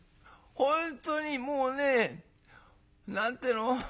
本当にもうね何て言うの？